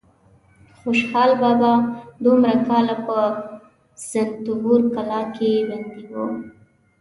خوشحال بابا دومره کاله په رنتبور کلا کې بندي و.